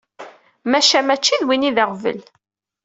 Maca mačči d win i d aɣbel.